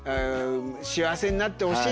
幸せになってほしいってね